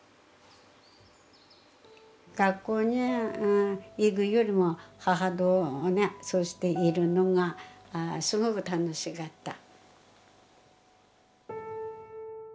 学校に行くよりも母とねそうしているのがすごく楽しかった。